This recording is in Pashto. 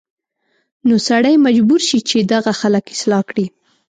نو سړی مجبور شي چې دغه خلک اصلاح کړي